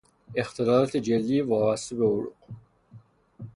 اختلالات جلدی وابسته به عروق